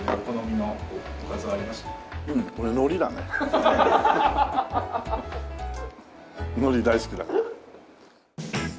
のり大好きだから。